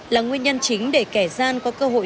là nguyên nhân chính để kẻ gian có cơ hội